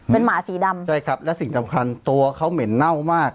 เป็นหมาสีดำใช่ครับและสิ่งสำคัญตัวเขาเหม็นเน่ามาก